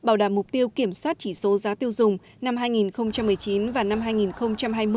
bảo đảm mục tiêu kiểm soát chỉ số giá tiêu dùng năm hai nghìn một mươi chín và năm hai nghìn hai mươi